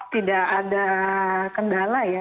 tidak ada kendala ya